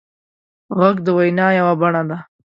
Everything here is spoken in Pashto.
غږ د وینا یوه بڼه ده